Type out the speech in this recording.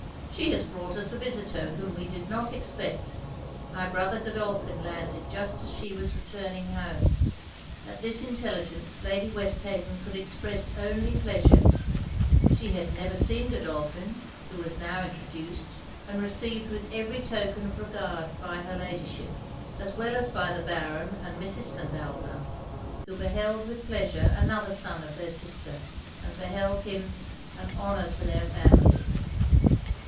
'She has brought us a visitor whom we did not expect. My brother Godolphin landed just as she was returning home.' At this intelligence Lady Westhaven could express only pleasure. She had never seen Godolphin, who was now introduced, and received with every token of regard by her Ladyship, as well as by the Baron and Mrs. St. Alpin; who beheld with pleasure another son of their sister, and beheld him an honour to their family.